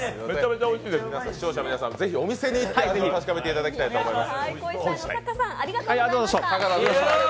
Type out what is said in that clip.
視聴者の皆さん、ぜひお店に行って確かめていただきたいと思います。